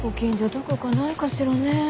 どこかないかしらねぇ。